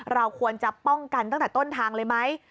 เราควรจะป้องกันตั้งแต่ต้นทางเลยไหม